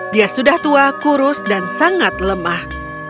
dia sudah tua kurus dan sangat lemah